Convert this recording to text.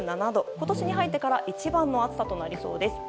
今年に入ってから一番の暑さとなりそうです。